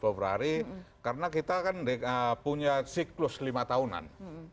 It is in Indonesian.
februari karena kita kan punya siklus lima tahunan